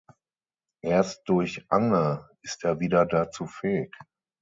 Erst durch Ange ist er wieder dazu fähig.